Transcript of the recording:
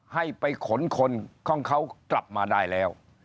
ให้ไปขนคนของเขากลับมาได้แล้ว